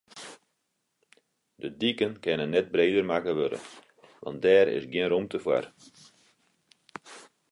De diken kinne net breder makke wurde, want dêr is gjin rûmte foar.